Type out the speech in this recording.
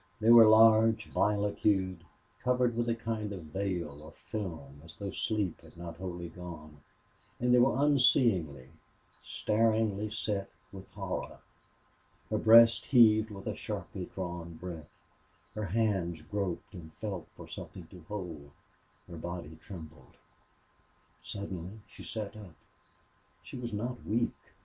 They were large, violet hued, covered with a kind of veil or film, as though sleep had not wholly gone; and they were unseeingly, staringly set with horror. Her breast heaved with a sharply drawn breath; her hands groped and felt for something to hold; her body trembled. Suddenly she sat up. She was not weak.